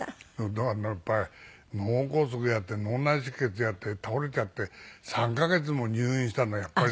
だからねやっぱり脳梗塞やって脳内出血やって倒れちゃって３カ月も入院したらやっぱり。